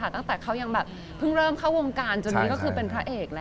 ตั้งแต่เขายังแบบเพิ่งเริ่มเข้าวงการจนนี้ก็คือเป็นพระเอกแล้ว